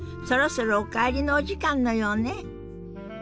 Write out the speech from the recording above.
そろそろお帰りのお時間のようね。